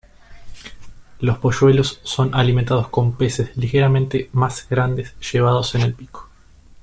Los polluelos son alimentados con peces ligeramente más grandes llevados en el pico.